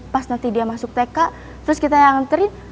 pas nanti dia masuk tk terus kita yang nganterin